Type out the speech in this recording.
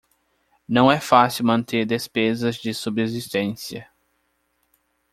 Não é fácil manter despesas de subsistência